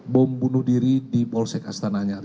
bom bunuh diri di polsek astana anyar